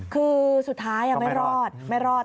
คือสุดท้ายไม่รอดไม่รอด